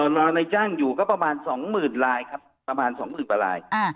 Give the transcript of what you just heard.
รอในจ้างอยู่ก็ประมาณ๒๐๐๐ลายครับประมาณ๒๐๐๐กว่าลาย